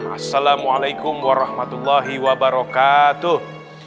assalamualaikum warahmatullahi wabarakatuh